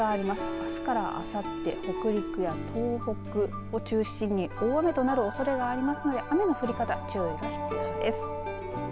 あすからあさって北陸や東北中心に大雨となるところがありますので、雨の降り方注意が必要です。